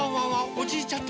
おじいちゃん